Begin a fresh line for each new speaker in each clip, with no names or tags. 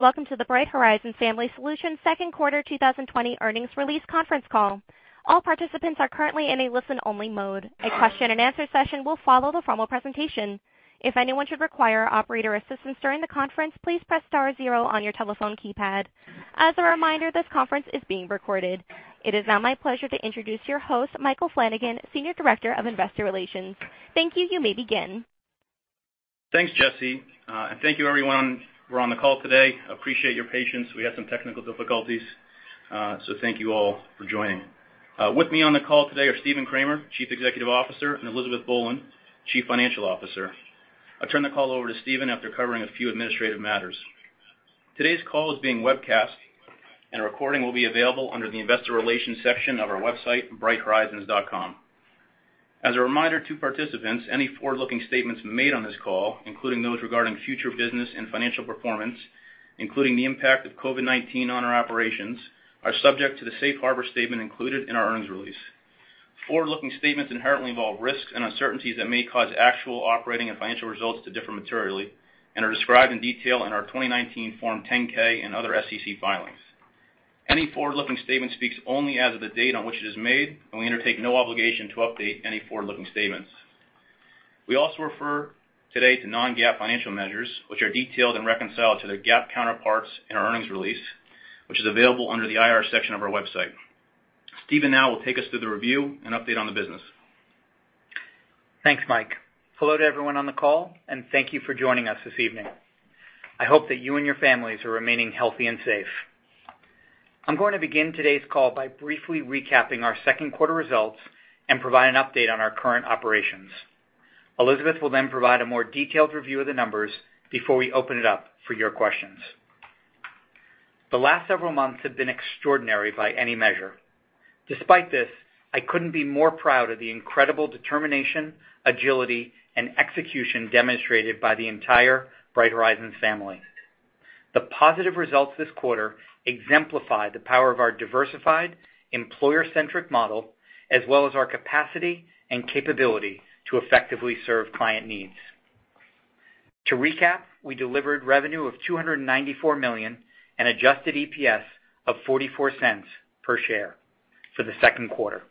Welcome to the Bright Horizons Family Solutions second quarter 2020 earnings release conference call. All participants are currently in a listen-only mode. A question and answer session will follow the formal presentation. If anyone should require operator assistance during the conference, please press star zero on your telephone keypad. As a reminder, this conference is being recorded. It is now my pleasure to introduce your host, Michael Flanagan, Senior Director of Investor Relations. Thank you. You may begin.
Thanks, Jesse, thank you, everyone who are on the call today. Appreciate your patience. We had some technical difficulties, so thank you all for joining. With me on the call today are Stephen Kramer, Chief Executive Officer, and Elizabeth Boland, Chief Financial Officer. I'll turn the call over to Stephen after covering a few administrative matters. Today's call is being webcast, and a recording will be available under the investor relations section of our website, brighthorizons.com. As a reminder to participants, any forward-looking statements made on this call, including those regarding future business and financial performance, including the impact of COVID-19 on our operations, are subject to the safe harbor statement included in our earnings release. Forward-looking statements inherently involve risks and uncertainties that may cause actual operating and financial results to differ materially and are described in detail in our 2019 Form 10-K and other SEC filings. Any forward-looking statement speaks only as of the date on which it is made, and we undertake no obligation to update any forward-looking statements. We also refer today to non-GAAP financial measures, which are detailed and reconciled to their GAAP counterparts in our earnings release, which is available under the IR section of our website. Stephen now will take us through the review and update on the business.
Thanks, Mike. Hello to everyone on the call, thank you for joining us this evening. I hope that you and your families are remaining healthy and safe. I'm going to begin today's call by briefly recapping our second quarter results and provide an update on our current operations. Elizabeth will provide a more detailed review of the numbers before we open it up for your questions. The last several months have been extraordinary by any measure. Despite this, I couldn't be more proud of the incredible determination, agility, and execution demonstrated by the entire Bright Horizons family. The positive results this quarter exemplify the power of our diversified, employer-centric model, as well as our capacity and capability to effectively serve client needs. To recap, we delivered revenue of $294 million and adjusted EPS of $0.44 per share for the second quarter.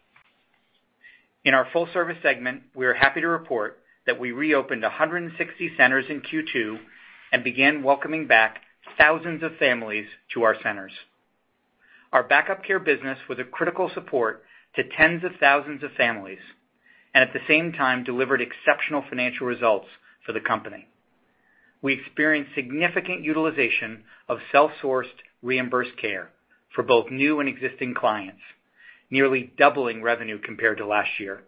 In our Full-Service segment, we are happy to report that we reopened 160 centers in Q2 and began welcoming back thousands of families to our centers. Our Back-Up Care business was a critical support to tens of thousands of families, and at the same time, delivered exceptional financial results for the company. We experienced significant utilization of self-sourced reimbursed care for both new and existing clients, nearly doubling revenue compared to last year.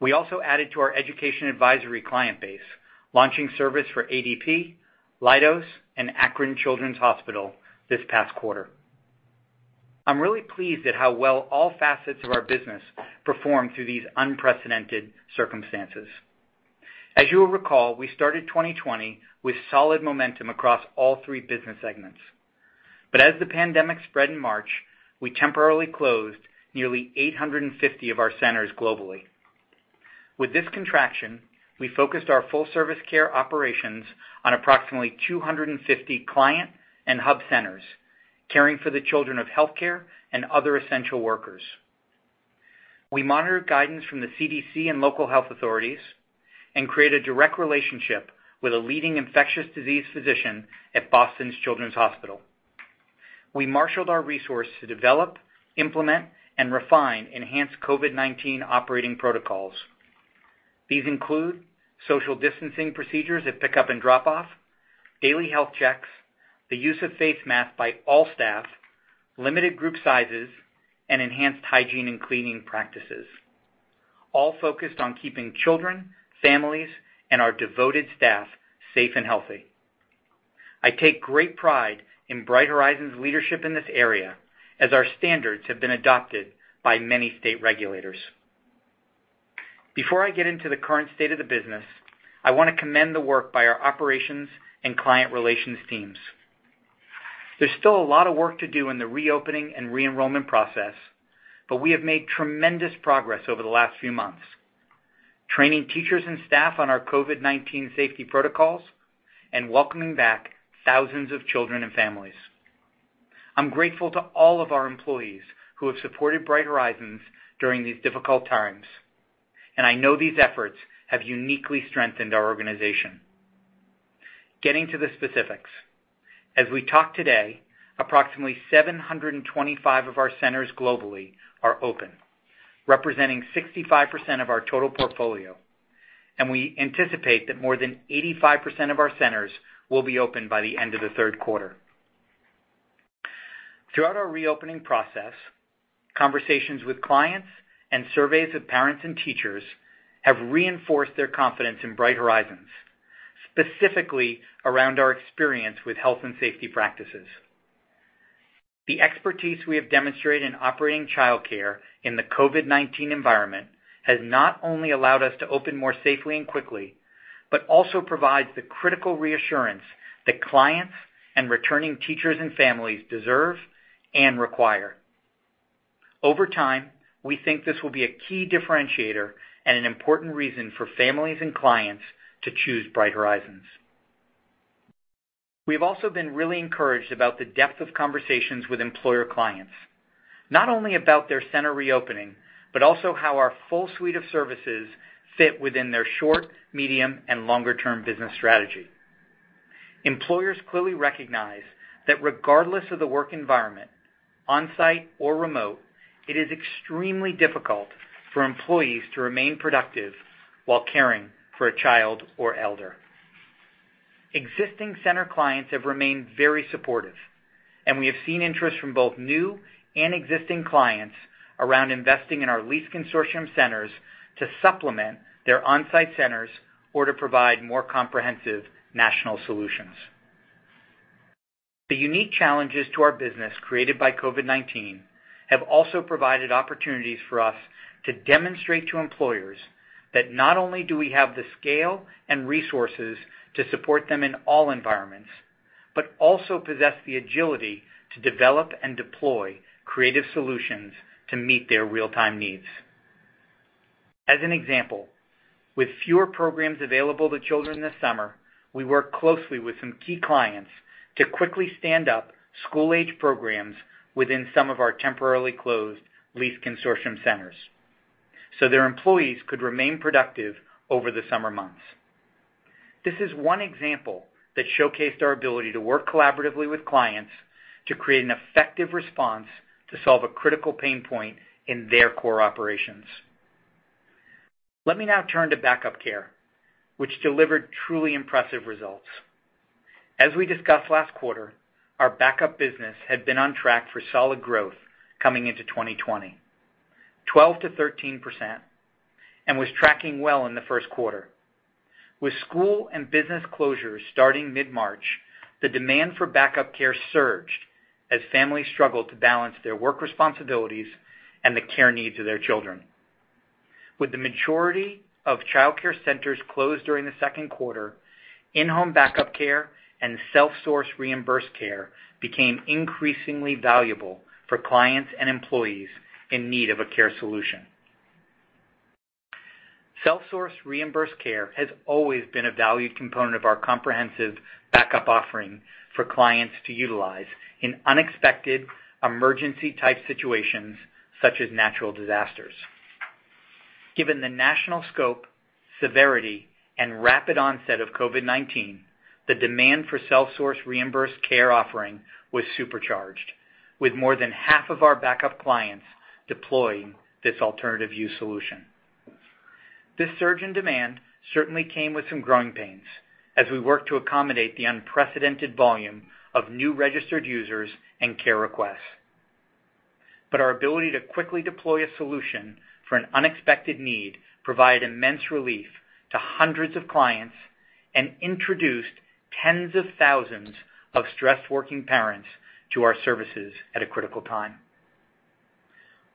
We also added to our Education Advisory client base, launching service for ADP, Leidos, and Akron Children's Hospital this past quarter. I'm really pleased at how well all facets of our business performed through these unprecedented circumstances. As you will recall, we started 2020 with solid momentum across all three business segments. As the pandemic spread in March, we temporarily closed nearly 850 of our centers globally. With this contraction, we focused our Full-Service Care operations on approximately 250 client and hub centers, caring for the children of healthcare and other essential workers. We monitored guidance from the CDC and local health authorities and created a direct relationship with a leading infectious disease physician at Boston Children's Hospital. We marshaled our resources to develop, implement, and refine enhanced COVID-19 operating protocols. These include social distancing procedures at pickup and drop-off, daily health checks, the use of face masks by all staff, limited group sizes, and enhanced hygiene and cleaning practices, all focused on keeping children, families, and our devoted staff safe and healthy. I take great pride in Bright Horizons' leadership in this area, as our standards have been adopted by many state regulators. Before I get into the current state of the business, I want to commend the work by our operations and client relations teams. There's still a lot of work to do in the reopening and re-enrollment process, but we have made tremendous progress over the last few months, training teachers and staff on our COVID-19 safety protocols and welcoming back thousands of children and families. I'm grateful to all of our employees who have supported Bright Horizons during these difficult times, and I know these efforts have uniquely strengthened our organization. Getting to the specifics. As we talk today, approximately 725 of our centers globally are open, representing 65% of our total portfolio, and we anticipate that more than 85% of our centers will be open by the end of the third quarter. Throughout our reopening process, conversations with clients and surveys of parents and teachers have reinforced their confidence in Bright Horizons, specifically around our experience with health and safety practices. The expertise we have demonstrated in operating childcare in the COVID-19 environment has not only allowed us to open more safely and quickly, but also provides the critical reassurance that clients and returning teachers and families deserve and require. Over time, we think this will be a key differentiator and an important reason for families and clients to choose Bright Horizons. We've also been really encouraged about the depth of conversations with employer clients, not only about their center reopening, but also how our full suite of services fit within their short, medium, and longer-term business strategy. Employers clearly recognize that regardless of the work environment, on-site or remote, it is extremely difficult for employees to remain productive while caring for a child or elder. Existing center clients have remained very supportive, and we have seen interest from both new and existing clients around investing in our lease/consortium centers to supplement their on-site centers or to provide more comprehensive national solutions. The unique challenges to our business created by COVID-19 have also provided opportunities for us to demonstrate to employers that not only do we have the scale and resources to support them in all environments, but also possess the agility to develop and deploy creative solutions to meet their real-time needs. As an example, with fewer programs available to children this summer, we worked closely with some key clients to quickly stand up school-age programs within some of our temporarily closed lease/consortium centers so their employees could remain productive over the summer months. This is one example that showcased our ability to work collaboratively with clients to create an effective response to solve a critical pain point in their core operations. Let me now turn to Back-Up Care, which delivered truly impressive results. As we discussed last quarter, our Back-Up business had been on track for solid growth coming into 2020, 12%-13%, and was tracking well in the first quarter. With school and business closures starting mid-March, the demand for Back-Up Care surged as families struggled to balance their work responsibilities and the care needs of their children. With the majority of childcare centers closed during the second quarter, in-home backup care and self-sourced reimbursed care became increasingly valuable for clients and employees in need of a care solution. Self-sourced reimbursed care has always been a valued component of our comprehensive backup offering for clients to utilize in unexpected emergency-type situations, such as natural disasters. Given the national scope, severity, and rapid onset of COVID-19, the demand for self-sourced reimbursed care offering was supercharged, with more than half of our backup clients deploying this alternative use solution. This surge in demand certainly came with some growing pains as we worked to accommodate the unprecedented volume of new registered users and care requests. Our ability to quickly deploy a solution for an unexpected need provided immense relief to hundreds of clients and introduced tens of thousands of stressed working parents to our services at a critical time.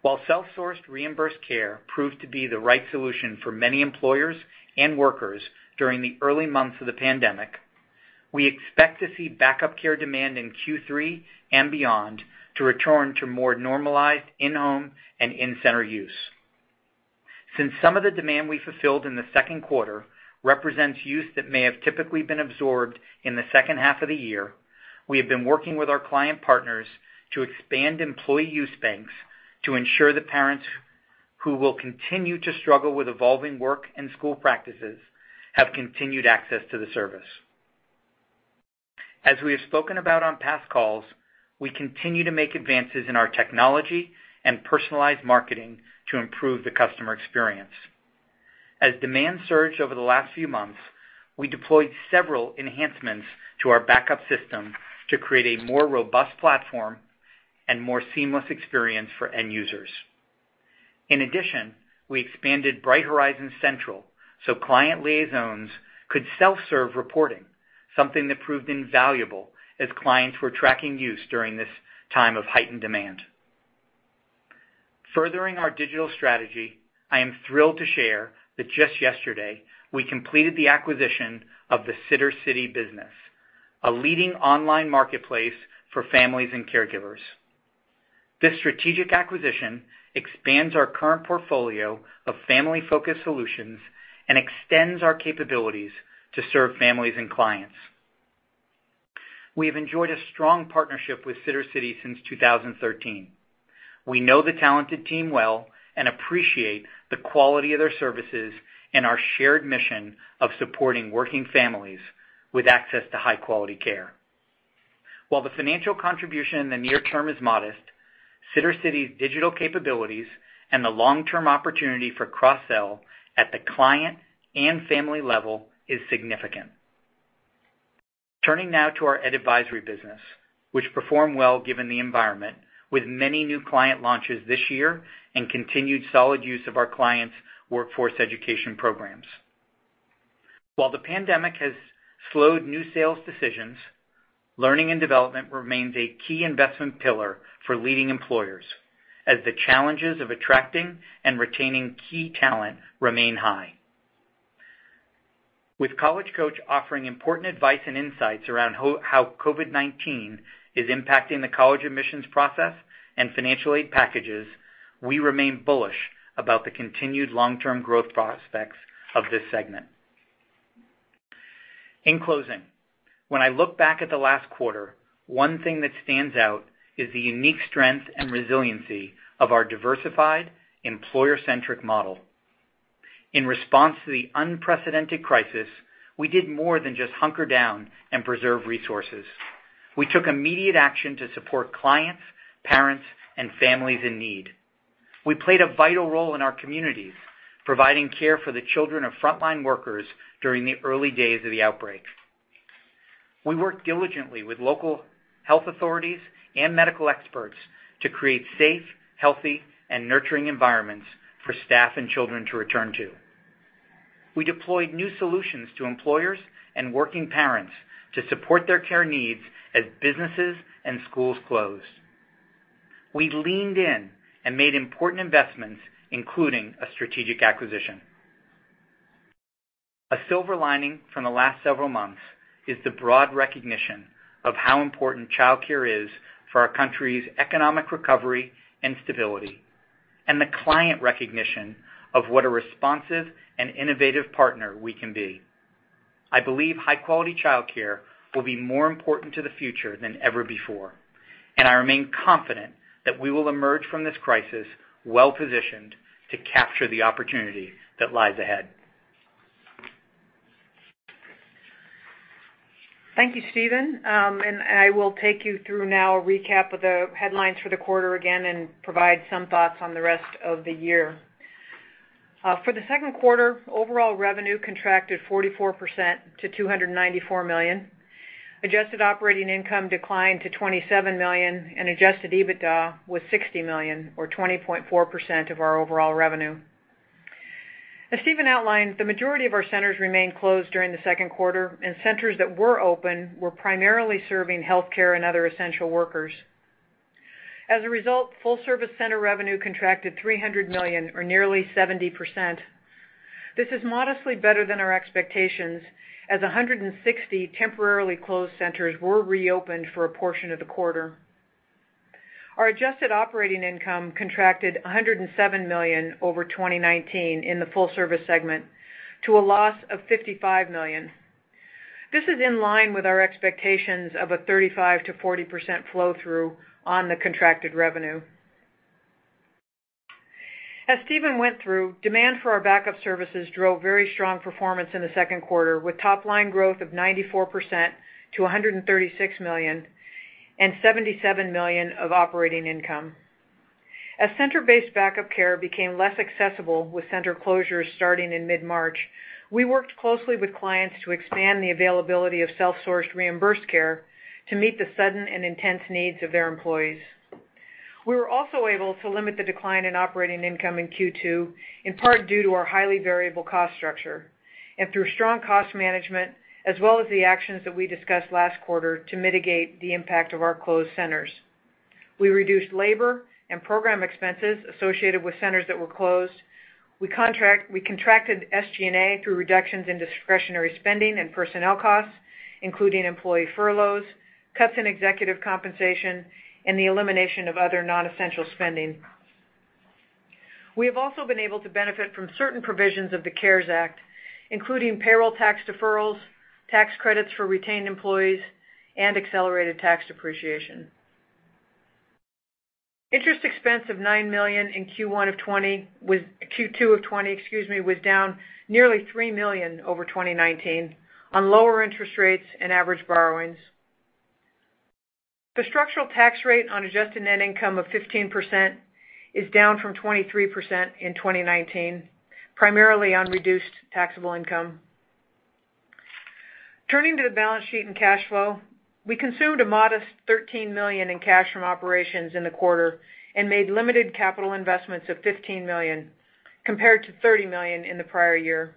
While self-sourced reimbursed care proved to be the right solution for many employers and workers during the early months of the pandemic, we expect to see Back-Up Care demand in Q3 and beyond to return to more normalized in-home and in-center use. Since some of the demand we fulfilled in the second quarter represents use that may have typically been absorbed in the second half of the year, we have been working with our client partners to expand employee-use banks to ensure that parents who will continue to struggle with evolving work and school practices have continued access to the service. As we have spoken about on past calls, we continue to make advances in our technology and personalized marketing to improve the customer experience. As demand surged over the last few months, we deployed several enhancements to our backup system to create a more robust platform and more seamless experience for end users. In addition, we expanded Bright Horizons Central so client liaisons could self-serve reporting, something that proved invaluable as clients were tracking use during this time of heightened demand. Furthering our digital strategy, I am thrilled to share that just yesterday, we completed the acquisition of the Sittercity business, a leading online marketplace for families and caregivers. This strategic acquisition expands our current portfolio of family-focused solutions and extends our capabilities to serve families and clients. We have enjoyed a strong partnership with Sittercity since 2013. We know the talented team well and appreciate the quality of their services and our shared mission of supporting working families with access to high-quality care. The financial contribution in the near term is modest, Sittercity's digital capabilities and the long-term opportunity for cross-sell at the client and family level is significant. Turning now to our Ed Advisory business, which performed well given the environment, with many new client launches this year and continued solid use of our clients' workforce education programs. While the pandemic has slowed new sales decisions, learning and development remains a key investment pillar for leading employers, as the challenges of attracting and retaining key talent remain high. With College Coach offering important advice and insights around how COVID-19 is impacting the college admissions process and financial aid packages, we remain bullish about the continued long-term growth prospects of this segment. In closing, when I look back at the last quarter, one thing that stands out is the unique strength and resiliency of our diversified employer-centric model. In response to the unprecedented crisis, we did more than just hunker down and preserve resources. We took immediate action to support clients, parents, and families in need. We played a vital role in our communities, providing care for the children of frontline workers during the early days of the outbreak. We worked diligently with local health authorities and medical experts to create safe, healthy, and nurturing environments for staff and children to return to. We deployed new solutions to employers and working parents to support their care needs as businesses and schools closed. We leaned in and made important investments, including a strategic acquisition. A silver lining from the last several months is the broad recognition of how important childcare is for our country's economic recovery and stability, and the client recognition of what a responsive and innovative partner we can be. I believe high-quality childcare will be more important to the future than ever before, and I remain confident that we will emerge from this crisis well-positioned to capture the opportunity that lies ahead.
Thank you, Stephen. I will take you through now a recap of the headlines for the quarter again and provide some thoughts on the rest of the year. For the second quarter, overall revenue contracted 44% to $294 million. Adjusted operating income declined to $27 million, and adjusted EBITDA was $60 million, or 20.4% of our overall revenue. As Stephen outlined, the majority of our centers remained closed during the second quarter, and centers that were open were primarily serving healthcare and other essential workers. As a result, full-service center revenue contracted $300 million or nearly 70%. This is modestly better than our expectations, as 160 temporarily closed centers were reopened for a portion of the quarter. Our adjusted operating income contracted $107 million over 2019 in the Full-Service segment to a loss of $55 million. This is in line with our expectations of a 35%-40% flow-through on the contracted revenue. As Stephen went through, demand for our Back-Up services drove very strong performance in the second quarter, with top-line growth of 94% to $136 million and $77 million of operating income. As center-based backup care became less accessible with center closures starting in mid-March, we worked closely with clients to expand the availability of self-sourced reimbursed care to meet the sudden and intense needs of their employees. We were also able to limit the decline in operating income in Q2, in part due to our highly variable cost structure and through strong cost management, as well as the actions that we discussed last quarter to mitigate the impact of our closed centers. We reduced labor and program expenses associated with centers that were closed. We contracted SG&A through reductions in discretionary spending and personnel costs, including employee furloughs, cuts in executive compensation, and the elimination of other non-essential spending. We have also been able to benefit from certain provisions of the CARES Act, including payroll tax deferrals, tax credits for retained employees, and accelerated tax depreciation. Interest expense of $9 million in Q1 2020, Q2 2020, excuse me, was down nearly $3 million over 2019 on lower interest rates and average borrowings. The structural tax rate on adjusted net income of 15% is down from 23% in 2019, primarily on reduced taxable income. Turning to the balance sheet and cash flow, we consumed a modest $13 million in cash from operations in the quarter and made limited capital investments of $15 million, compared to $30 million in the prior year.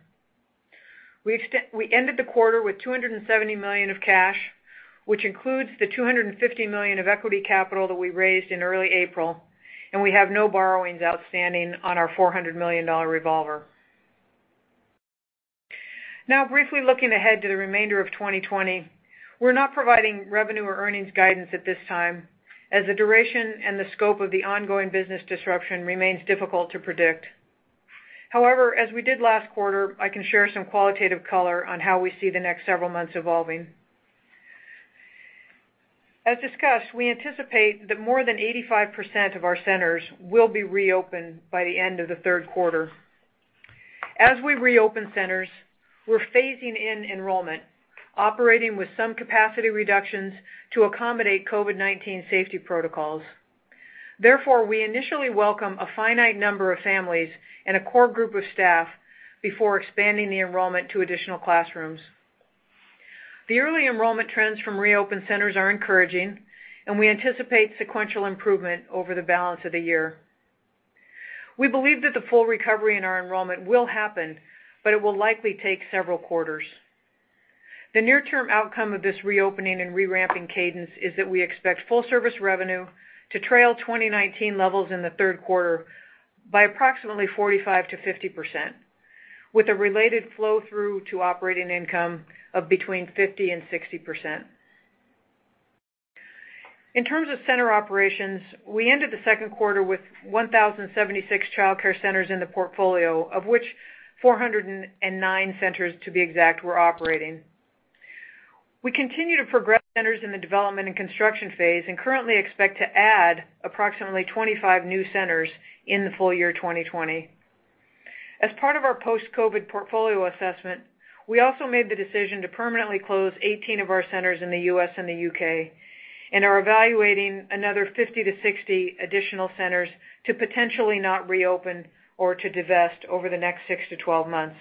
We ended the quarter with $270 million of cash, which includes the $250 million of equity capital that we raised in early April. We have no borrowings outstanding on our $400 million revolver. Briefly looking ahead to the remainder of 2020, we're not providing revenue or earnings guidance at this time, as the duration and the scope of the ongoing business disruption remains difficult to predict. As we did last quarter, I can share some qualitative color on how we see the next several months evolving. As discussed, we anticipate that more than 85% of our centers will be reopened by the end of the third quarter. As we reopen centers, we're phasing in enrollment, operating with some capacity reductions to accommodate COVID-19 safety protocols. We initially welcome a finite number of families and a core group of staff before expanding the enrollment to additional classrooms. The early enrollment trends from reopened centers are encouraging. We anticipate sequential improvement over the balance of the year. We believe that the full recovery in our enrollment will happen, but it will likely take several quarters. The near-term outcome of this reopening and re-ramping cadence is that we expect Full-Service revenue to trail 2019 levels in the third quarter by approximately 45%-50%, with a related flow-through to operating income of between 50% and 60%. In terms of center operations, we ended the second quarter with 1,076 childcare centers in the portfolio, of which 409 centers, to be exact, were operating. We continue to progress centers in the development and construction phase and currently expect to add approximately 25 new centers in the full year 2020. As part of our post-COVID portfolio assessment, we also made the decision to permanently close 18 of our centers in the U.S. and the U.K., and are evaluating another 50 to 60 additional centers to potentially not reopen or to divest over the next six to 12 months.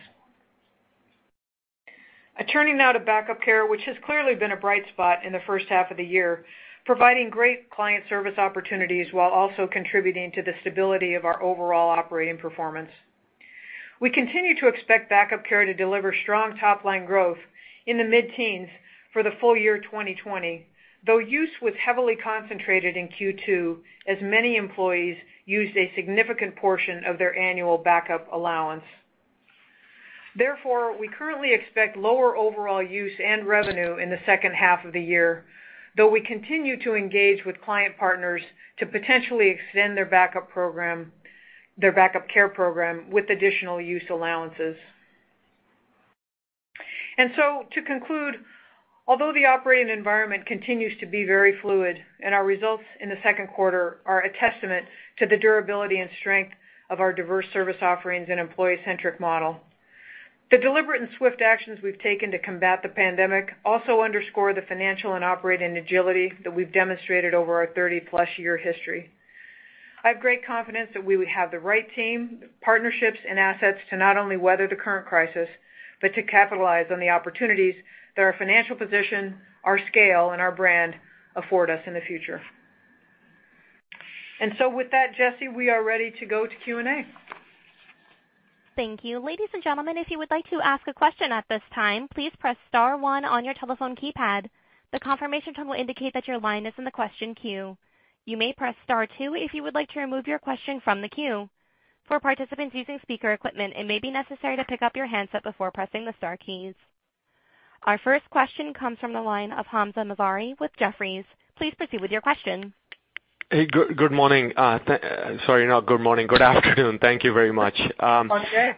Turning now to Back-Up Care, which has clearly been a bright spot in the first half of the year, providing great client service opportunities while also contributing to the stability of our overall operating performance. We continue to expect Back-Up care to deliver strong top-line growth in the mid-teens for the full year 2020. Though use was heavily concentrated in Q2, as many employees used a significant portion of their annual backup allowance. Therefore, we currently expect lower overall use and revenue in the second half of the year, though we continue to engage with client partners to potentially extend their Back-Up Care program with additional use allowances. To conclude, although the operating environment continues to be very fluid and our results in the second quarter are a testament to the durability and strength of our diverse service offerings and employee-centric model, the deliberate and swift actions we've taken to combat the pandemic also underscore the financial and operating agility that we've demonstrated over our 30+ year history. I have great confidence that we have the right team, partnerships, and assets to not only weather the current crisis, but to capitalize on the opportunities that our financial position, our scale, and our brand afford us in the future. With that, Jesse, we are ready to go to Q&A.
Thank you. Ladies and gentlemen, if you would like to ask a question at this time, please press star one on your telephone keypad. The confirmation tone will indicate that your line is in the question queue. You may press star two if you would like to remove your question from the queue. For participants using speaker equipment, it may be necessary to pick up your handset before pressing the star keys. Our first question comes from the line of Hamzah Mazari with Jefferies. Please proceed with your question.
Hey, good morning. Sorry, not good morning. Good afternoon. Thank you very much.
Okay.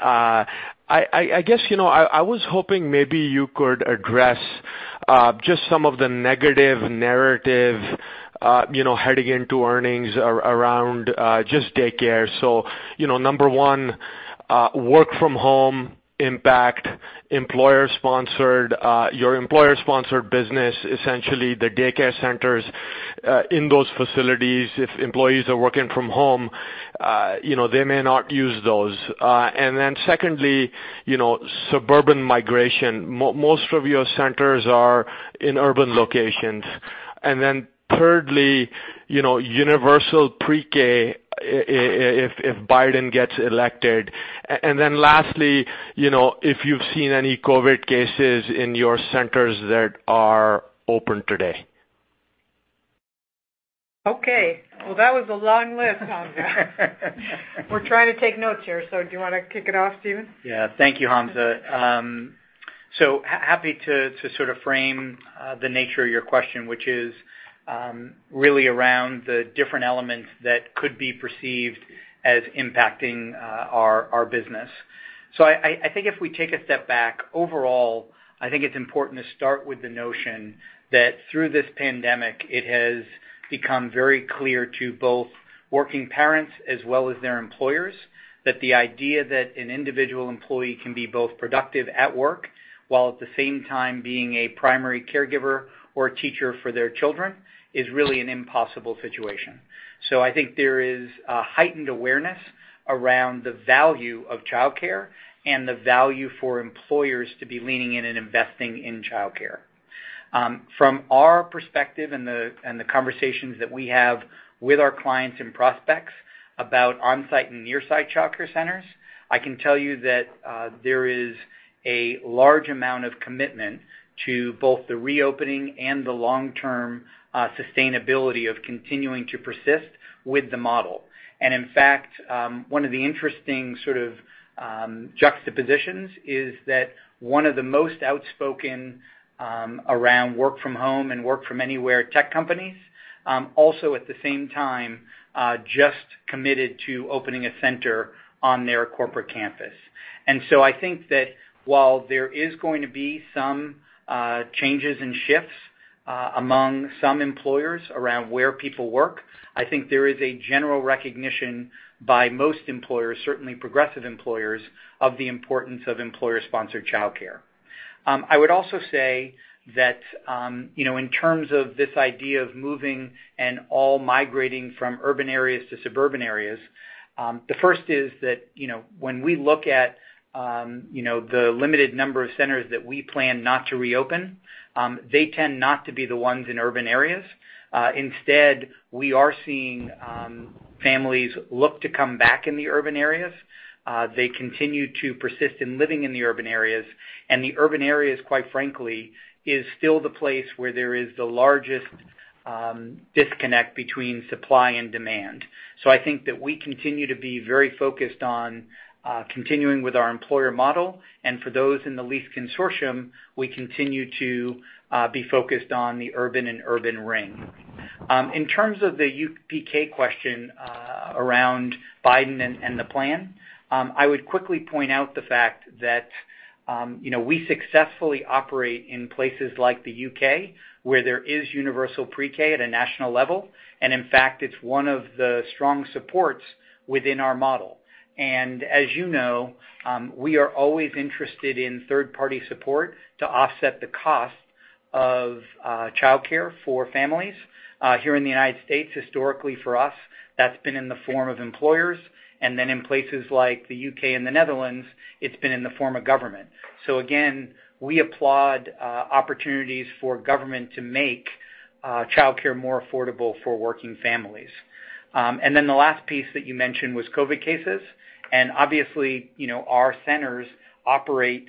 I was hoping maybe you could address just some of the negative narrative heading into earnings around just daycare: number one, work-from-home impact, your employer-sponsored business, essentially the daycare centers in those facilities. If employees are working from home, they may not use those. Secondly, suburban migration. Most of your centers are in urban locations. Thirdly, universal pre-K, if Biden gets elected, and then lastly, if you've seen any COVID cases in your centers that are open today.
Okay. Well, that was a long list, Hamzah. We're trying to take notes here. Do you want to kick it off, Stephen?
Yeah. Thank you, Hamzah. Happy to sort of frame the nature of your question, which is really around the different elements that could be perceived as impacting our business. I think if we take a step back, overall, I think it is important to start with the notion that through this pandemic, it has become very clear to both working parents as well as their employers that the idea that an individual employee can be both productive at work while at the same time being a primary caregiver or teacher for their children is really an impossible situation. I think there is a heightened awareness around the value of childcare and the value for employers to be leaning in and investing in childcare. From our perspective and the conversations that we have with our clients and prospects about on-site and near-site childcare centers, I can tell you that there is a large amount of commitment to both the reopening and the long-term sustainability of continuing to persist with the model. In fact, one of the interesting sort of juxtapositions is that one of the most outspoken around work-from-home and work-from-anywhere tech companies, also at the same time just committed to opening a center on their corporate campus. I think that while there is going to be some changes and shifts among some employers around where people work, I think there is a general recognition by most employers, certainly progressive employers, of the importance of employer-sponsored childcare. I would also say that in terms of this idea of moving and all migrating from urban areas to suburban areas, the first is that when we look at the limited number of centers that we plan not to reopen, they tend not to be the ones in urban areas. Instead, we are seeing families look to come back in the urban areas. They continue to persist in living in the urban areas, and the urban areas, quite frankly, is still the place where there is the largest disconnect between supply and demand. I think that we continue to be very focused on continuing with our employer model, and for those in the lease/consortium, we continue to be focused on the urban and urban ring. In terms of the UPK question around Biden and the plan, I would quickly point out the fact that we successfully operate in places like the U.K., where there is universal pre-K at a national level. In fact, it's one of the strong supports within our model. As you know, we are always interested in third-party support to offset the cost of childcare for families. Here in the United States, historically, for us, that's been in the form of employers. Then in places like the U.K. and the Netherlands, it's been in the form of government. Again, we applaud opportunities for government to make childcare more affordable for working families. Then the last piece that you mentioned was COVID cases. Obviously our centers operate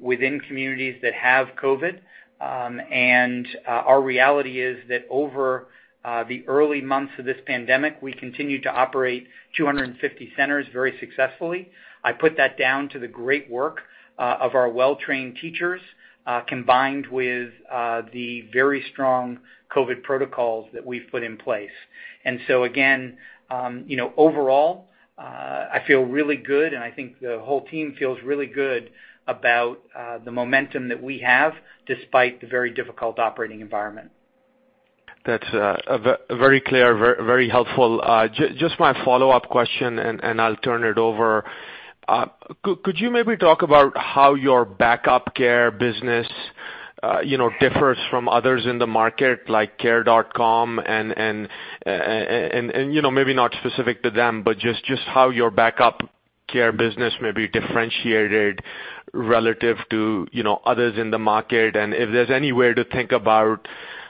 within communities that have COVID. Our reality is that over the early months of this pandemic, we continued to operate 250 centers very successfully. I put that down to the great work of our well-trained teachers, combined with the very strong COVID protocols that we've put in place. Again, overall, I feel really good, and I think the whole team feels really good about the momentum that we have despite the very difficult operating environment.
That's very clear, very helpful. Just my follow-up question, and I'll turn it over. Could you maybe talk about how your backup care business differs from others in the market, like Care.com, and maybe not specific to them, but just how your Back-Up Care business may be differentiated relative to others in the market? If there's anywhere to think about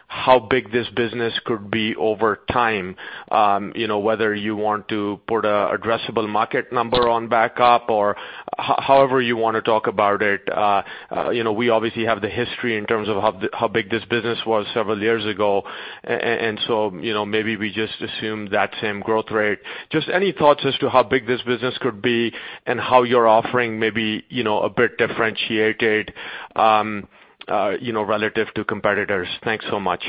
how big this business could be over time, whether you want to put an addressable market number on backup or however you want to talk about it. We obviously have the history in terms of how big this business was several years ago. So maybe we just assume that same growth rate. Just any thoughts as to how big this business could be and how your offering may be a bit differentiated relative to competitors. Thanks so much.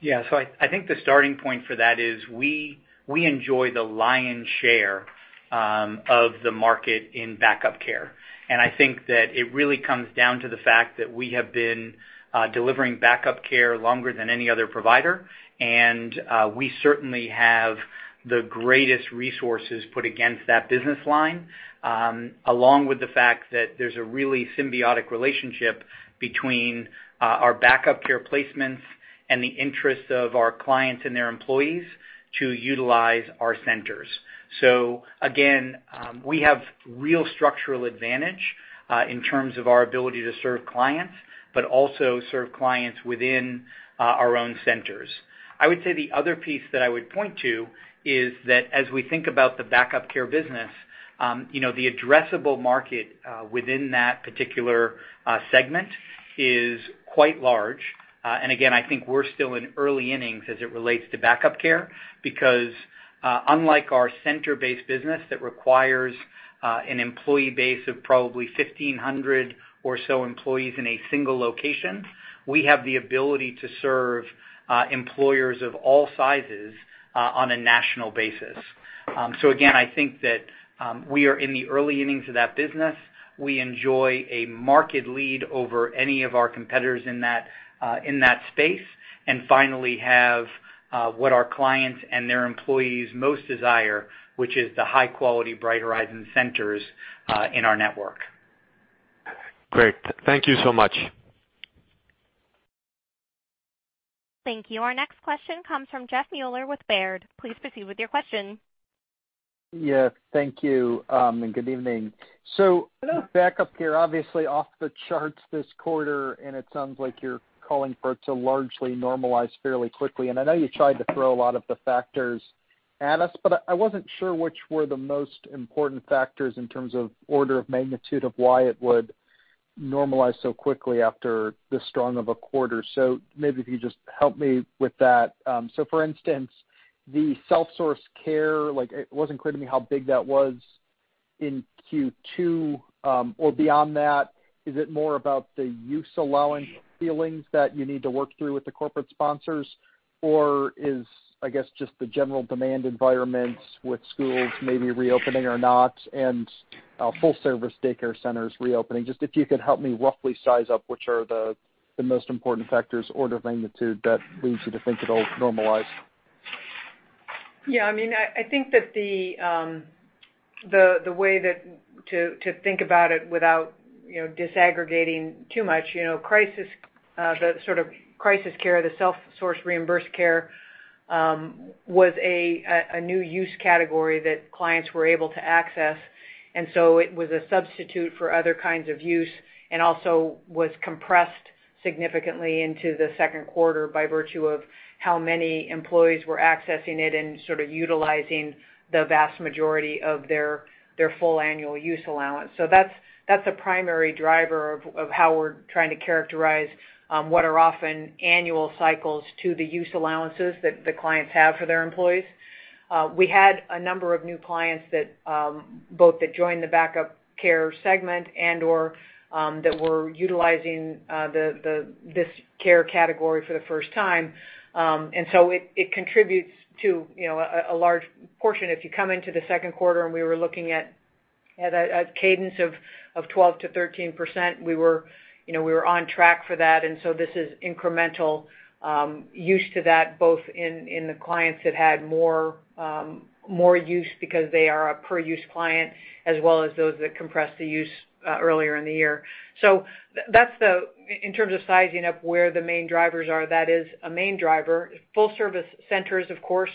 Yeah. I think the starting point for that is we enjoy the lion's share of the market in backup care. I think that it really comes down to the fact that we have been delivering backup care longer than any other provider, and we certainly have the greatest resources put against that business line, along with the fact that there's a really symbiotic relationship between our backup care placements and the interests of our clients and their employees to utilize our centers. Again, we have real structural advantage in terms of our ability to serve clients, but also serve clients within our own centers. I would say the other piece that I would point to is that as we think about the Back-Up Care business, the addressable market within that particular segment is quite large. Again, I think we're still in early innings as it relates to backup care, because, unlike our center-based business that requires an employee base of probably 1,500 or so employees in a single location, we have the ability to serve employers of all sizes on a national basis. Again, I think that we are in the early innings of that business. We enjoy a market lead over any of our competitors in that space and finally have what our clients and their employees most desire, which is the high-quality Bright Horizons centers in our network.
Great. Thank you so much.
Thank you. Our next question comes from Jeff Meuler with Baird. Please proceed with your question.
Yeah. Thank you, and good evening.
Hello.
Backup care, obviously, off the charts this quarter, and it sounds like you're calling for it to largely normalize fairly quickly. I know you tried to throw a lot of the factors at us, but I wasn't sure which were the most important factors in terms of order of magnitude of why it would normalize so quickly after this strong of a quarter. Maybe if you could just help me with that. For instance, the self-sourced care, it wasn't clear to me how big that was in Q2 or beyond that. Is it more about the use allowance ceilings that you need to work through with the corporate sponsors? Is, I guess, just the general demand environments with schools maybe reopening or not, and full-service daycare centers reopening? Just if you could help me roughly size up which are the most important factors, order of magnitude, that leads you to think it'll normalize.
Yeah. I think that the way to think about it without disaggregating too much, the sort of crisis care, the self-sourced reimbursed care, was a new use category that clients were able to access. And so it was a substitute for other kinds of use and also was compressed significantly into the second quarter by virtue of how many employees were accessing it and sort of utilizing the vast majority of their full annual use allowance. So that's a primary driver of how we're trying to characterize what are often annual cycles to the use allowances that the clients have for their employees. We had a number of new clients, both that joined the Back-Up Care segment and/or that were utilizing this care category for the first time. It contributes to a large portion. If you come into the second quarter, and we were looking at a cadence of 12%-13%, we were on track for that. This is incremental use to that, both in the clients that had more use because they are a per-use client, as well as those that compressed the use earlier in the year. In terms of sizing up where the main drivers are, that is a main driver. Full-Service centers, of course,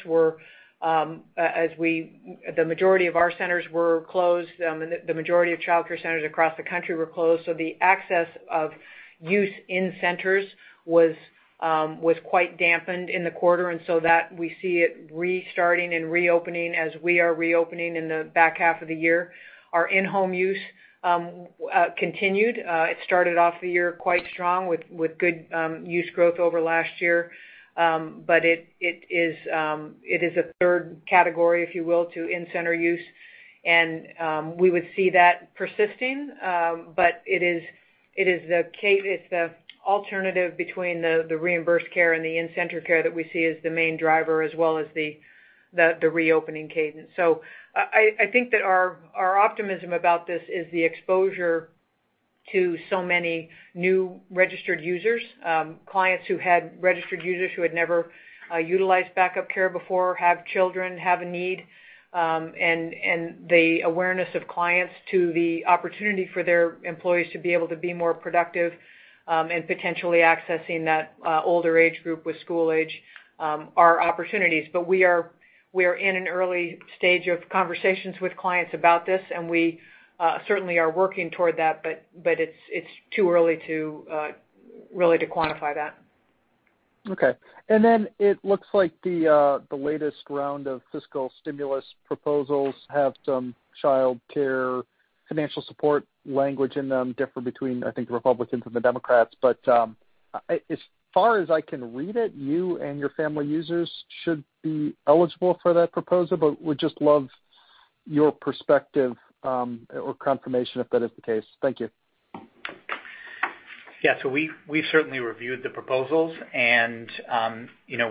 the majority of our centers were closed, and the majority of childcare centers across the country were closed. The access of use in centers was quite dampened in the quarter. That we see it restarting and reopening as we are reopening in the back half of the year. Our in-home use continued. It started off the year quite strong with good use growth over last year. It is a third category, if you will, to in-center use. We would see that persisting. It's the alternative between the reimbursed care and the in-center care that we see as the main driver, as well as the reopening cadence. I think that our optimism about this is the exposure to so many new registered users, clients who had registered users who had never utilized backup care before, have children, have a need, and the awareness of clients to the opportunity for their employees to be able to be more productive, and potentially accessing that older age group with school age are opportunities. We are in an early stage of conversations with clients about this, and we certainly are working toward that. It's too early really to quantify that.
Okay. It looks like the latest round of fiscal stimulus proposals have some child care financial support language in them, differ between, I think, the Republicans and the Democrats. As far as I can read it, you and your family users should be eligible for that proposal, but would just love your perspective or confirmation if that is the case. Thank you.
Yeah. We certainly reviewed the proposals and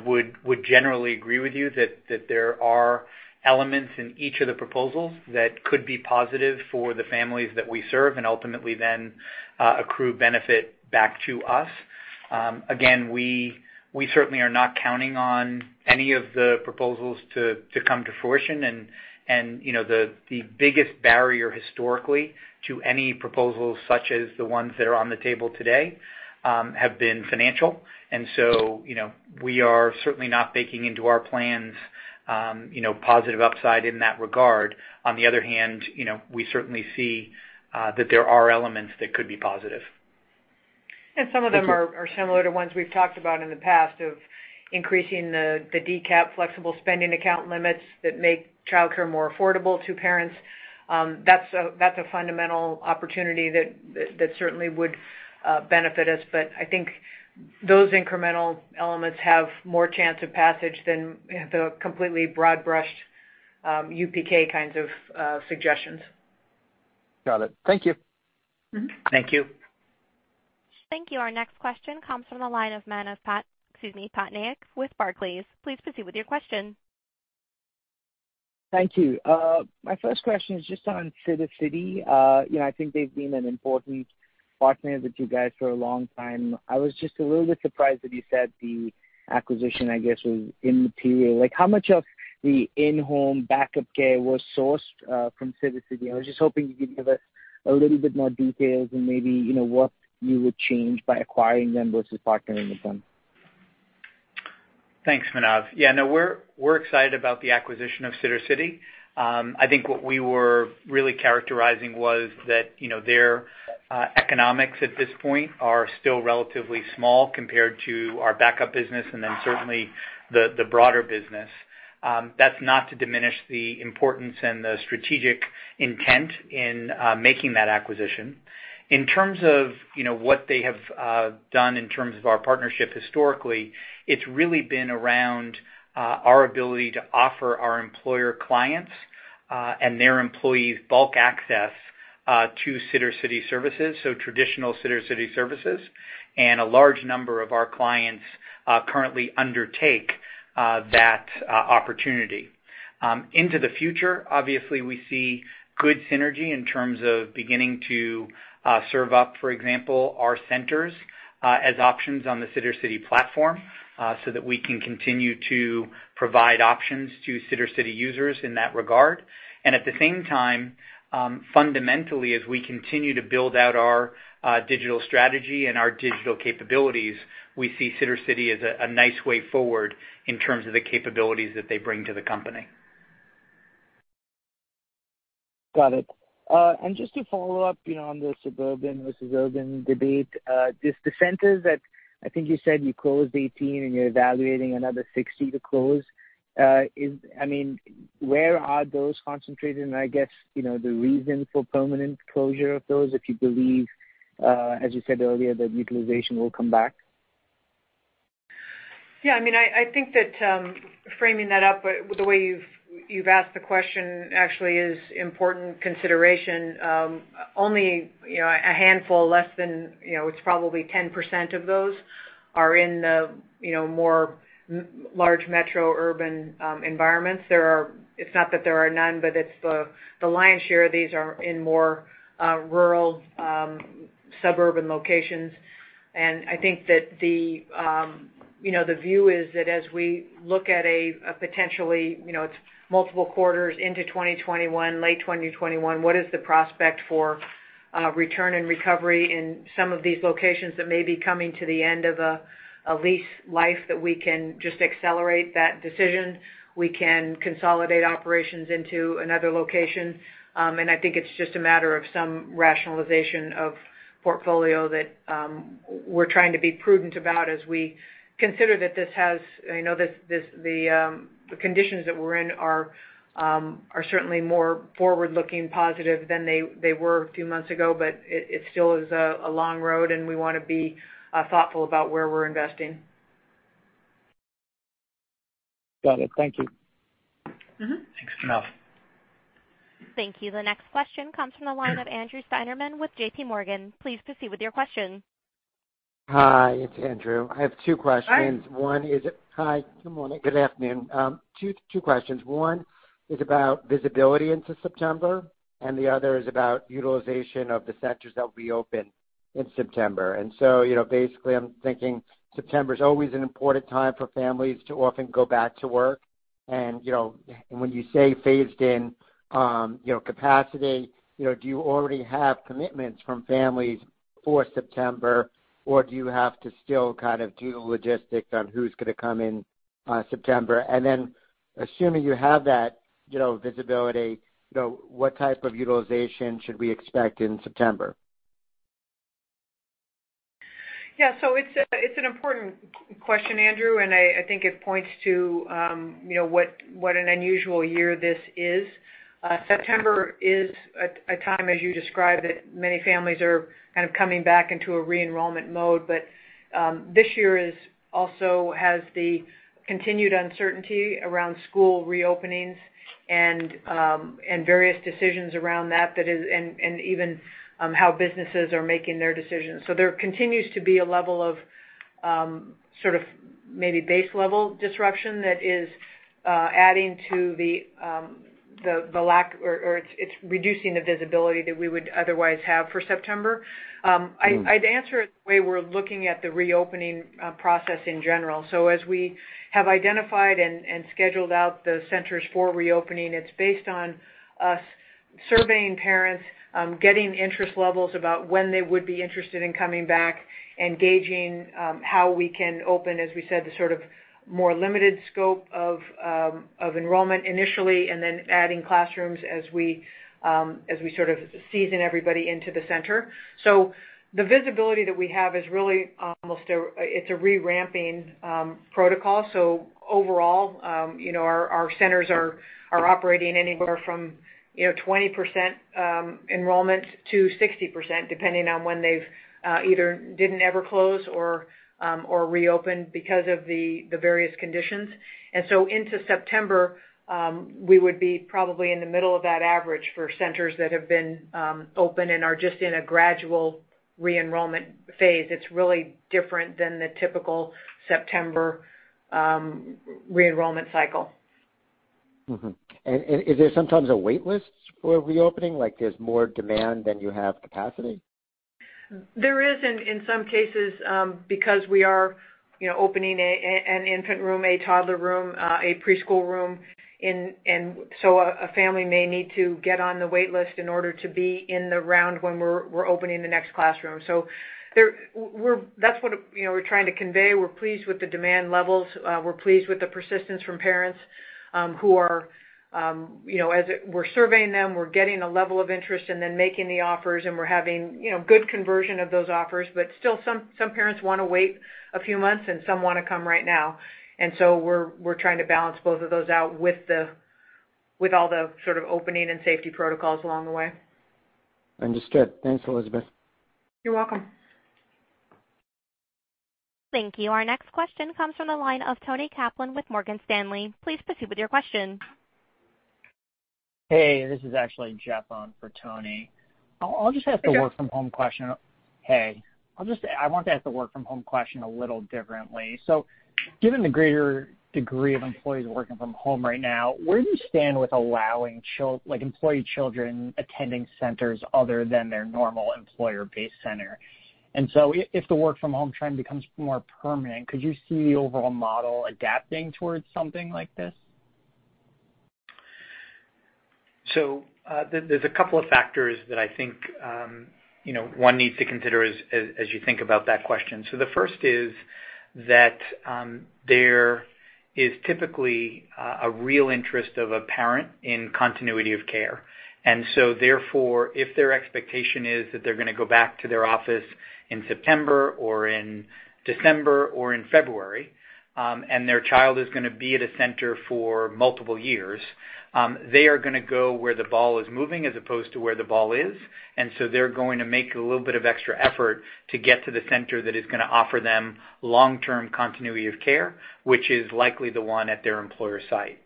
would generally agree with you that there are elements in each of the proposals that could be positive for the families that we serve, and ultimately then accrue benefit back to us. Again, we certainly are not counting on any of the proposals to come to fruition. The biggest barrier historically to any proposals, such as the ones that are on the table today, have been financial. We are certainly not baking into our plans positive upside in that regard. On the other hand, we certainly see that there are elements that could be positive.
Some of them are similar to ones we've talked about in the past of increasing the DCAP flexible spending account limits that make childcare more affordable to parents. That's a fundamental opportunity that certainly would benefit us. I think those incremental elements have more chance of passage than the completely broad-brushed UPK kinds of suggestions.
Got it. Thank you.
Thank you.
Thank you. Our next question comes from the line of Manav Patnaik with Barclays. Please proceed with your question.
Thank you. My first question is just on Sittercity. I think they've been an important partner with you guys for a long time. I was just a little bit surprised that you said the acquisition, I guess, was immaterial. How much of the in-home backup care was sourced from Sittercity? I was just hoping you could give us a little bit more details and maybe what you would change by acquiring them versus partnering with them.
Thanks, Manav. Yeah, no, we're excited about the acquisition of Sittercity. I think what we were really characterizing was that their economics at this point are still relatively small compared to our Back-Up business, then certainly the broader business. That's not to diminish the importance and the strategic intent in making that acquisition. In terms of what they have done in terms of our partnership historically, it's really been around our ability to offer our employer clients and their employees bulk access to Sittercity services, so traditional Sittercity services. A large number of our clients currently undertake that opportunity. Into the future, obviously, we see good synergy in terms of beginning to serve up, for example, our centers as options on the Sittercity platform so that we can continue to provide options to Sittercity users in that regard. At the same time, fundamentally, as we continue to build out our digital strategy and our digital capabilities, we see Sittercity as a nice way forward in terms of the capabilities that they bring to the company.
Got it. Just to follow up on the suburban versus urban debate, the centers that I think you said you closed 18 and you're evaluating another 60 to close, where are those concentrated? I guess, the reason for permanent closure of those, if you believe, as you said earlier, that utilization will come back?
Yeah, I think that framing that up the way you've asked the question actually is important consideration. Only a handful, less than, it's probably 10% of those are in the more large metro urban environments. It's not that there are none, but the lion's share of these are in more rural, suburban locations. I think that the view is that as we look at a potentially, it's multiple quarters into 2021, late 2021, what is the prospect for return and recovery in some of these locations that may be coming to the end of a lease life that we can just accelerate that decision, we can consolidate operations into another location. I think it's just a matter of some rationalization of portfolio that we're trying to be prudent about as we consider that the conditions that we're in are certainly more forward-looking positive than they were a few months ago. It still is a long road, and we want to be thoughtful about where we're investing.
Got it. Thank you.
Thanks, Manav.
Thank you. The next question comes from the line of Andrew Steinerman with JPMorgan. Please proceed with your question.
Hi, it's Andrew. I have two questions.
Hi.
Hi, good morning. Good afternoon. Two questions. One is about visibility into September. The other is about utilization of the centers that will be open in September. Basically, I'm thinking September's always an important time for families to often go back to work. When you say phased in capacity, do you already have commitments from families for September, or do you have to still kind of do the logistics on who's going to come in September? Assuming you have that visibility, what type of utilization should we expect in September?
Yeah. It's an important question, Andrew, and I think it points to what an unusual year this is. September is a time, as you described, that many families are kind of coming back into a re-enrollment mode. This year also has the continued uncertainty around school reopenings and various decisions around that, and even how businesses are making their decisions. There continues to be a level of sort of maybe base-level disruption that is adding to the lack, or it's reducing the visibility that we would otherwise have for September. I'd answer it the way we're looking at the reopening process in general. As we have identified and scheduled out the centers for reopening, it's based on us surveying parents, getting interest levels about when they would be interested in coming back, and gauging how we can open, as we said, the sort of more limited scope of enrollment initially, and then adding classrooms as we sort of season everybody into the center. The visibility that we have is really almost a re-ramping protocol. Overall, our centers are operating anywhere from 20% enrollment to 60%, depending on when they either didn't ever close or reopen because of the various conditions. Into September, we would be probably in the middle of that average for centers that have been open and are just in a gradual re-enrollment phase. It's really different than the typical September re-enrollment cycle.
Mm-hmm. Is there sometimes a wait list for reopening, like there's more demand than you have capacity?
There is in some cases, because we are opening an infant room, a toddler room, a preschool room. A family may need to get on the wait list in order to be in the round when we're opening the next classroom. That's what we're trying to convey. We're pleased with the demand levels. We're pleased with the persistence from parents who are, as we're surveying them, we're getting a level of interest and then making the offers, and we're having good conversion of those offers, but still some parents want to wait a few months, and some want to come right now. We're trying to balance both of those out with all the sort of opening and safety protocols along the way.
Understood. Thanks, Elizabeth.
You're welcome.
Thank you. Our next question comes from the line of Toni Kaplan with Morgan Stanley. Please proceed with your question.
Hey, this is actually Jeff on for Toni.
Hi, Jeff.
I'll just ask the work from home question. Hey. I want to ask the work from home question a little differently. Given the greater degree of employees working from home right now, where do you stand with allowing employee children attending centers other than their normal employer-based center? If the work from home trend becomes more permanent, could you see the overall model adapting towards something like this?
There's a couple of factors that I think one needs to consider as you think about that question. The first is that there is typically a real interest of a parent in continuity of care. Therefore, if their expectation is that they're going to go back to their office in September or in December or in February, and their child is going to be at a center for multiple years, they are going to go where the ball is moving as opposed to where the ball is. They're going to make a little bit of extra effort to get to the center that is going to offer them long-term continuity of care, which is likely the one at their employer site.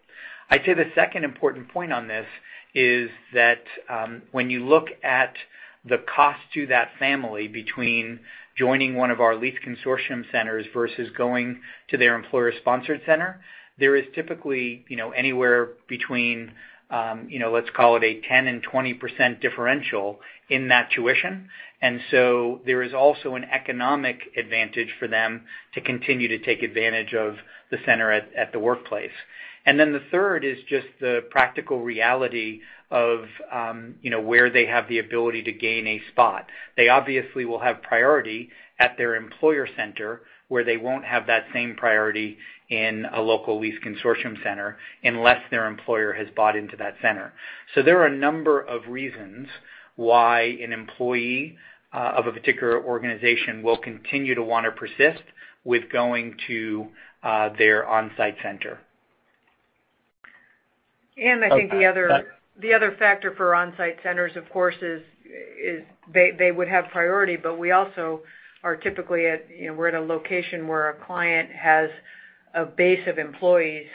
I'd say the second important point on this is that, when you look at the cost to that family between joining one of our lease/consortium centers versus going to their employer-sponsored center, there is typically anywhere between, let's call it a 10% and 20% differential in that tuition. There is also an economic advantage for them to continue to take advantage of the center at the workplace. The third is just the practical reality of where they have the ability to gain a spot. They obviously will have priority at their employer center, where they won't have that same priority in a local lease/consortium center unless their employer has bought into that center. There are a number of reasons why an employee of a particular organization will continue to want to persist with going to their on-site center.
I think the other factor for on-site centers, of course, is they would have priority, but we also are typically at a location where a client has a base of employees,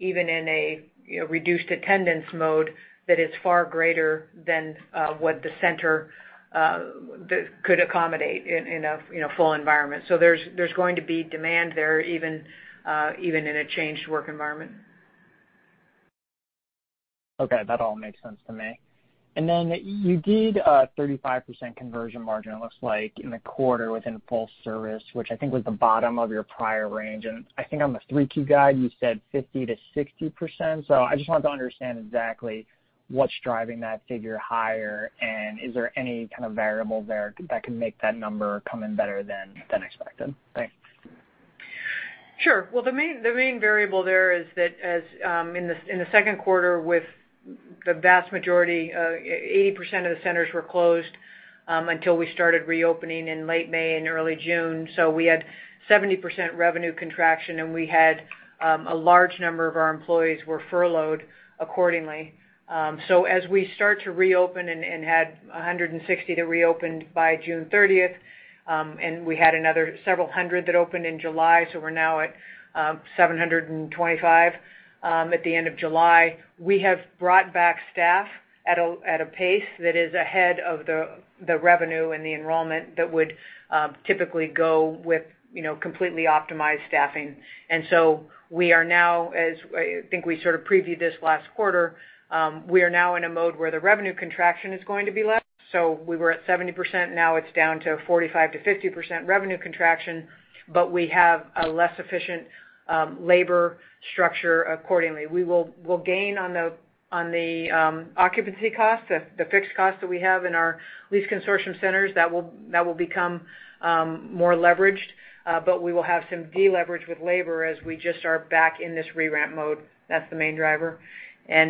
even in a reduced attendance mode, that is far greater than what the center could accommodate in a full environment. There's going to be demand there even in a changed work environment.
Okay, that all makes sense to me. You did a 35% conversion margin, it looks like, in the quarter within full service, which I think was the bottom of your prior range. I think on the 3Q guide, you said 50%-60%. I just wanted to understand exactly what's driving that figure higher. Is there any kind of variable there that can make that number come in better than expected? Thanks.
Sure. Well, the main variable there is that in the second quarter with the vast majority, 80% of the centers were closed until we started reopening in late May and early June. We had 70% revenue contraction, and we had a large number of our employees were furloughed accordingly. As we start to reopen and had 160 that reopened by June 30th, and we had another several hundred that opened in July, so we're now at 725 at the end of July. We have brought back staff at a pace that is ahead of the revenue and the enrollment that would typically go with completely optimized staffing. We are now, as I think we sort of previewed this last quarter, we are now in a mode where the revenue contraction is going to be less. We were at 70%, now it's down to 45%-50% revenue contraction, but we have a less efficient labor structure accordingly. We will gain on the occupancy cost, the fixed cost that we have in our lease/consortium centers, that will become more leveraged. We will have some de-leverage with labor as we just are back in this re-ramp mode. That's the main driver. As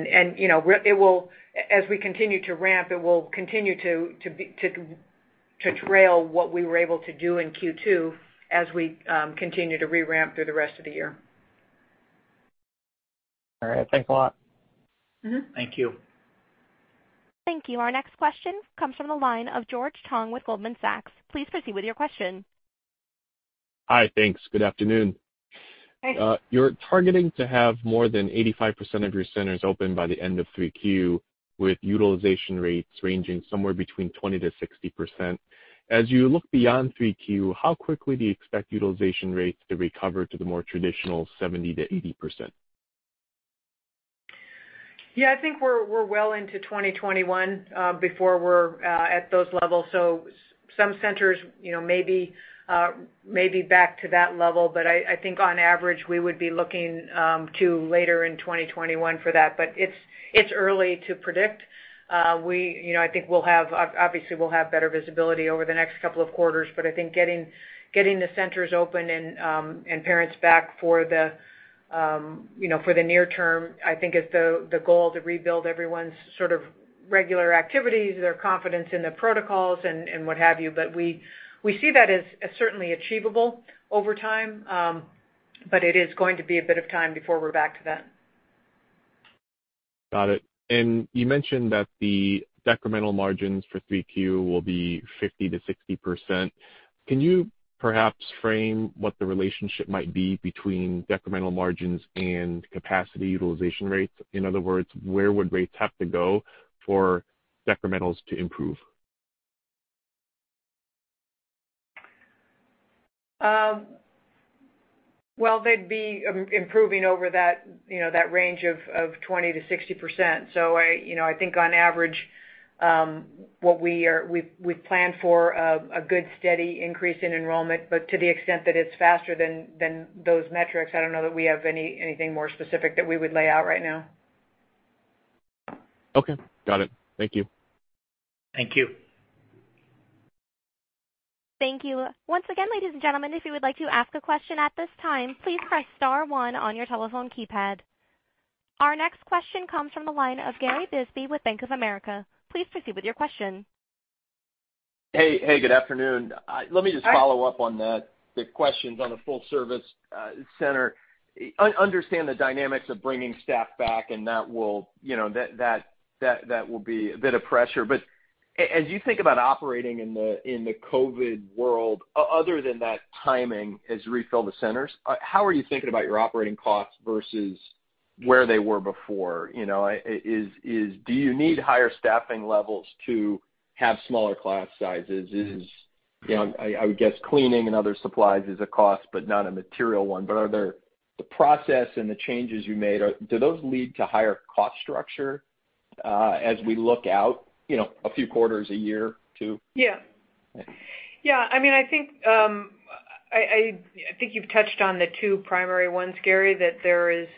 we continue to ramp, it will continue to trail what we were able to do in Q2 as we continue to re-ramp through the rest of the year.
All right. Thanks a lot.
Thank you.
Thank you. Our next question comes from the line of George Tong with Goldman Sachs. Please proceed with your question.
Hi, thanks. Good afternoon.
Hi.
You're targeting to have more than 85% of your centers open by the end of 3Q, with utilization rates ranging somewhere between 20%-60%. As you look beyond 3Q, how quickly do you expect utilization rates to recover to the more traditional 70%-80%?
I think we're well into 2021 before we're at those levels. Some centers may be back to that level. I think on average, we would be looking to later in 2021 for that. It's early to predict. Obviously, we'll have better visibility over the next couple of quarters. I think getting the centers open and parents back for the near term, I think, is the goal to rebuild everyone's regular activities, their confidence in the protocols and what have you. We see that as certainly achievable over time, but it is going to be a bit of time before we're back to that.
Got it. You mentioned that the decremental margins for 3Q will be 50%-60%. Can you perhaps frame what the relationship might be between decremental margins and capacity utilization rates? In other words, where would rates have to go for decrementals to improve?
Well, they'd be improving over that range of 20%-60%. I think on average, we've planned for a good, steady increase in enrollment. To the extent that it's faster than those metrics, I don't know that we have anything more specific that we would lay out right now.
Okay. Got it. Thank you.
Thank you.
Thank you. Once again, ladies and gentlemen, if you would like to ask a question at this time, please press star one on your telephone keypad. Our next question comes from the line of Gary Bisbee with Bank of America. Please proceed with your question.
Hey, good afternoon.
Hi.
Let me just follow up on the questions on the full-service center. I understand the dynamics of bringing staff back, and that will be a bit of pressure. As you think about operating in the COVID world, other than that timing as you refill the centers, how are you thinking about your operating costs versus where they were before. Do you need higher staffing levels to have smaller class sizes? I would guess cleaning and other supplies is a cost, but not a material one. Are there the process and the changes you made, do those lead to higher cost structure, as we look out a few quarters, a year or two?
Yeah. I think you've touched on the two primary ones, Gary, that there is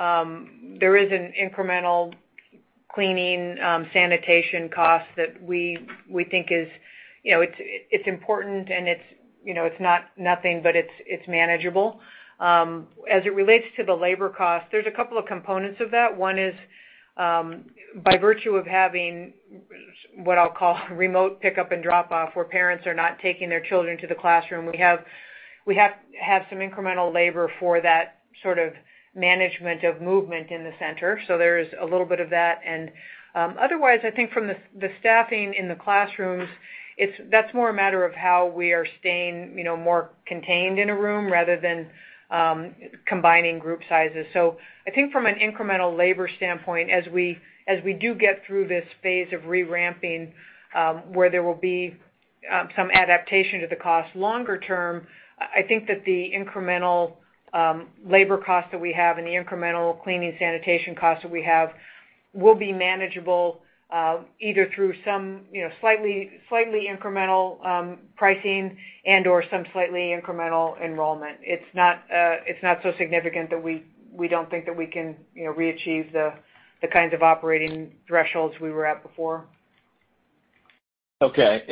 an incremental cleaning, sanitation cost that we think it's important and it's not nothing, but it's manageable. As it relates to the labor cost, there's a couple of components of that. One is, by virtue of having what I'll call remote pickup and drop-off, where parents are not taking their children to the classroom, we have had some incremental labor for that sort of management of movement in the center, so there's a little bit of that. Otherwise, I think from the staffing in the classrooms, that's more a matter of how we are staying more contained in a room rather than combining group sizes. I think from an incremental labor standpoint, as we do get through this phase of re-ramping, where there will be some adaptation to the cost longer term, I think that the incremental labor cost that we have and the incremental cleaning sanitation cost that we have, will be manageable, either through some slightly incremental pricing and/or some slightly incremental enrollment. It's not so significant that we don't think that we can re-achieve the kinds of operating thresholds we were at before.
Okay.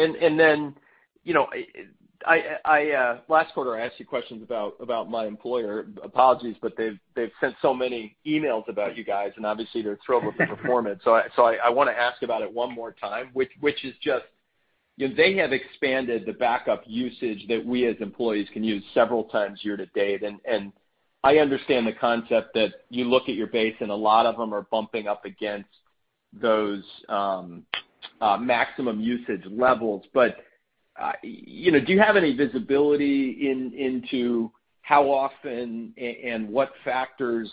Last quarter, I asked you questions about my employer. Apologies, they've sent so many emails about you guys, and obviously they're thrilled with the performance. I want to ask about it one more time, which is just, they have expanded the backup usage that we as employees can use several times year-to-date. I understand the concept that you look at your base and a lot of them are bumping up against those maximum usage levels. Do you have any visibility into how often and what factors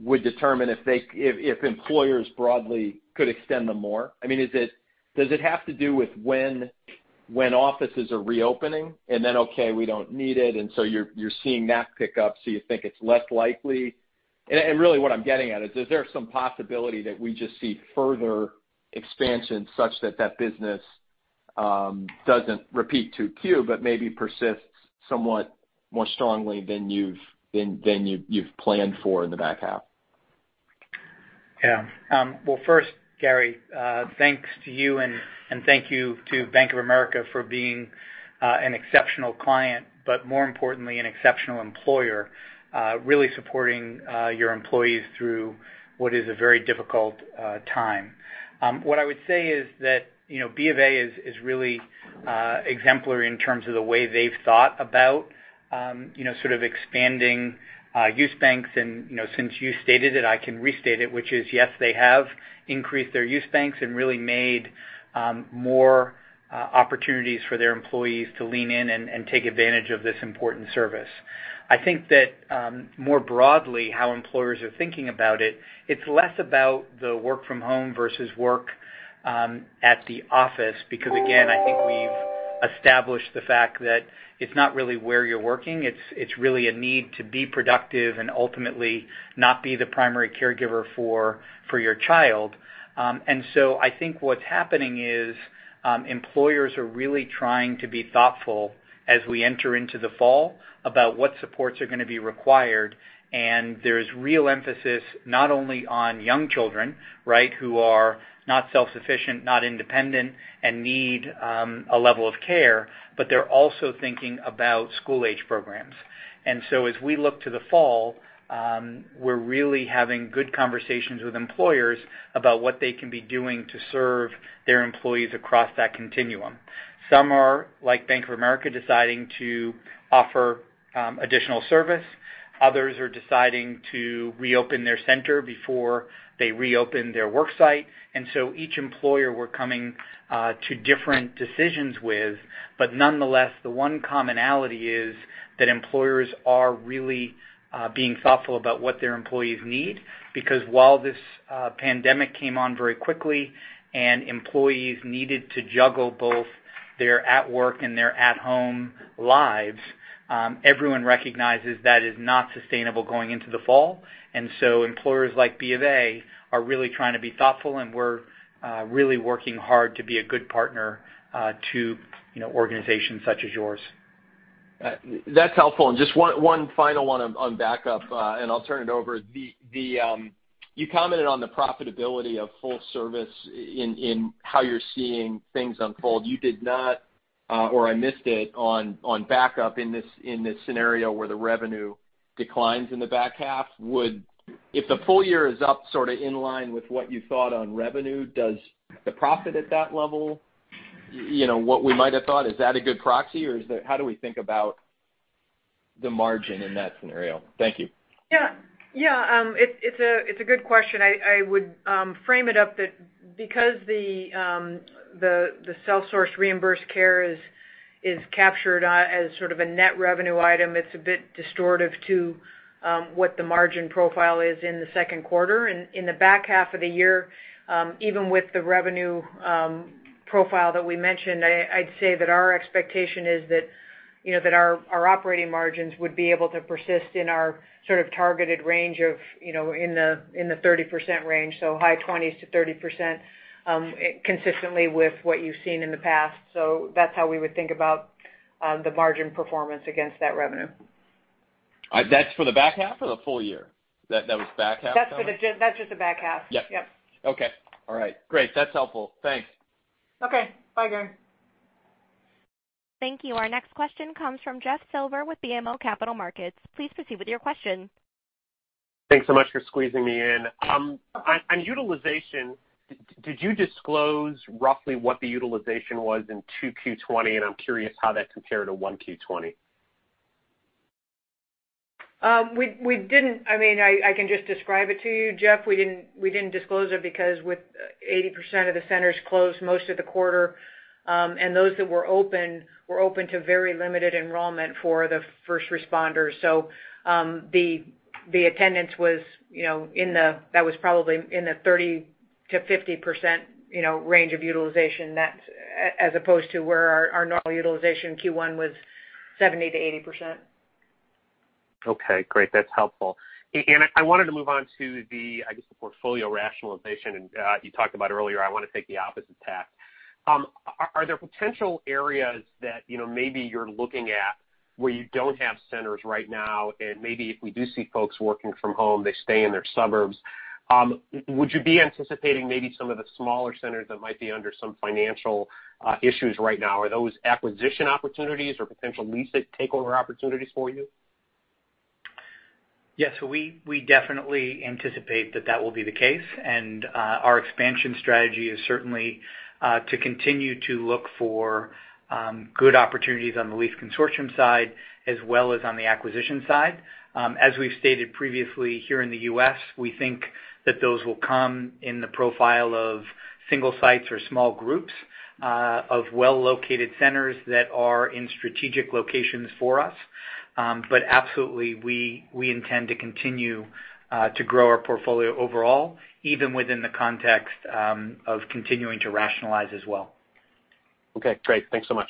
would determine if employers broadly could extend them more? Does it have to do with when offices are reopening, and then, okay, we don't need it, and so you're seeing that pick up, so you think it's less likely? Really what I'm getting at is there some possibility that we just see further expansion such that that business doesn't repeat 2Q, but maybe persists somewhat more strongly than you've planned for in the back half?
Well, first, Gary, thanks to you and thank you to Bank of America for being an exceptional client, but more importantly, an exceptional employer, really supporting your employees through what is a very difficult time. What I would say is that BofA is really exemplary in terms of the way they've thought about expanding use banks. Since you stated it, I can restate it, which is, yes, they have increased their use banks and really made more opportunities for their employees to lean in and take advantage of this important service. I think that more broadly, how employers are thinking about it's less about the work from home versus work at the office, because again, I think we've established the fact that it's not really where you're working, it's really a need to be productive and ultimately not be the primary caregiver for your child. I think what's happening is employers are really trying to be thoughtful as we enter into the fall about what supports are going to be required, and there's real emphasis not only on young children who are not self-sufficient, not independent, and need a level of care, but they're also thinking about school-age programs. As we look to the fall, we're really having good conversations with employers about what they can be doing to serve their employees across that continuum. Some are, like Bank of America, deciding to offer additional service. Others are deciding to reopen their center before they reopen their work site. Each employer we're coming to different decisions with, but nonetheless, the one commonality is that employers are really being thoughtful about what their employees need. While this pandemic came on very quickly and employees needed to juggle both their at work and their at home lives, everyone recognizes that is not sustainable going into the fall. Employers like BofA are really trying to be thoughtful, and we're really working hard to be a good partner to organizations such as yours.
That's helpful, and just one final one on backup, and I'll turn it over. You commented on the profitability of full service in how you're seeing things unfold. You did not, or I missed it, on backup in this scenario where the revenue declines in the back half. If the full year is up in line with what you thought on revenue, does the profit at that level, what we might have thought, is that a good proxy, or how do we think about the margin in that scenario? Thank you.
Yeah. It's a good question. I would frame it up that because the self-sourced reimbursed care is captured as sort of a net revenue item, it's a bit distortive to what the margin profile is in the second quarter. In the back half of the year, even with the revenue profile that we mentioned, I'd say that our expectation is that our operating margins would be able to persist in our sort of targeted range of in the 30% range, so high 20%-30%, consistently with what you've seen in the past. That's how we would think about the margin performance against that revenue.
That's for the back half or the full year? That was back half?
That's just the back half.
Yep.
Yep.
Okay. All right, great. That's helpful. Thanks.
Okay. Bye, Gary.
Thank you. Our next question comes from Jeff Silber with BMO Capital Markets. Please proceed with your question.
Thanks so much for squeezing me in. On utilization, did you disclose roughly what the utilization was in 2Q 2020? I'm curious how that compared to 1Q 2020.
We didn't. I can just describe it to you, Jeff. We didn't disclose it because with 80% of the centers closed most of the quarter, and those that were open, were open to very limited enrollment for the first responders. The attendance was probably in the 30%-50% range of utilization, as opposed to where our normal utilization in Q1 was 70%-80%.
Okay, great. That's helpful. I wanted to move on to the portfolio rationalization, and you talked about it earlier. I want to take the opposite tack. Are there potential areas that maybe you're looking at where you don't have centers right now, and maybe if we do see folks working from home, they stay in their suburbs. Would you be anticipating maybe some of the smaller centers that might be under some financial issues right now? Are those acquisition opportunities or potential lease takeover opportunities for you?
Yes, we definitely anticipate that that will be the case, and our expansion strategy is certainly to continue to look for good opportunities on the lease/consortium side as well as on the acquisition side. As we've stated previously, here in the U.S., we think that those will come in the profile of single sites or small groups of well-located centers that are in strategic locations for us. But absolutely, we intend to continue to grow our portfolio overall, even within the context of continuing to rationalize as well.
Okay, great. Thanks so much.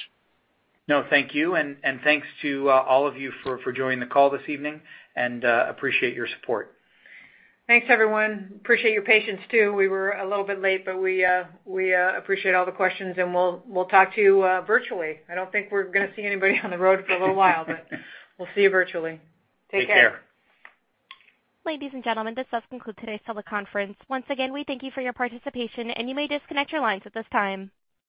No, thank you, and thanks to all of you for joining the call this evening, and appreciate your support.
Thanks, everyone. Appreciate your patience, too. We were a little bit late, but we appreciate all the questions, and we'll talk to you virtually. I don't think we're going to see anybody on the road for a little while, but we'll see you virtually. Take care.
Take care.
Ladies and gentlemen, this does conclude today's teleconference. Once again, we thank you for your participation, and you may disconnect your lines at this time.